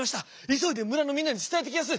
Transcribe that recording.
急いで村のみんなに伝えてきやす！